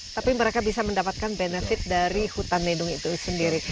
tapi mereka bisa mendapatkan benefit dari hutan lindung itu sendiri